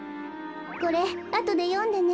これあとでよんでね。